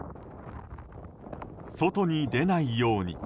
外に出ないように。